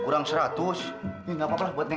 dinyalain apa lagi